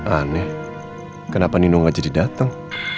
aneh kenapa nino gak jadi datang